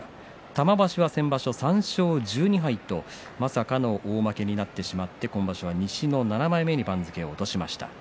玉鷲は先場所、３勝１２敗とまさかの大負けになってしまって今場所、西の７枚目に番付を落としました。